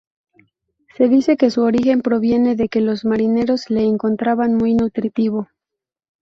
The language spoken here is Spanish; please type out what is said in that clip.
Se dice que su origen proviene de que los marineros lo encontraban muy nutritivo.